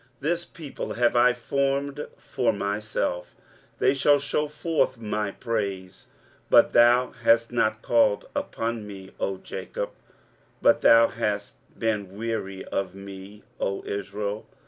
23:043:021 This people have I formed for myself; they shall shew forth my praise. 23:043:022 But thou hast not called upon me, O Jacob; but thou hast been weary of me, O Israel.